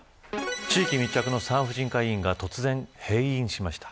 地域密着の産婦人科医院が突然、閉院しました。